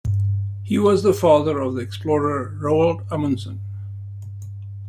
He was the father of the explorer Roald Amundsen.